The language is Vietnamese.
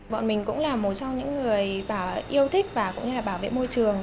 bọn mình cũng là một trong những người yêu thích và cũng như là bảo vệ môi trường